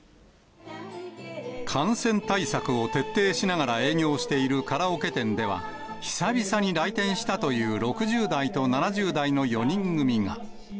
感染対策を徹底しながら営業しているカラオケ店では、久々に来店したという６０代と７０代の４人組が。